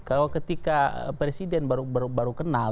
kalau ketika presiden baru kenal